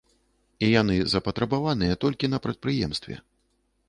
І яны запатрабаваныя толькі на прадпрыемстве.